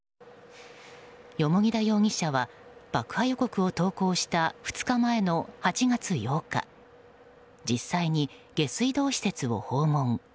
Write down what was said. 蓬田容疑者は爆破予告を投稿した２日前の８月８日実際に下水道施設を訪問。